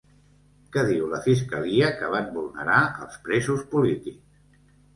Què diu la fiscalia que van vulnerar els presos polítics?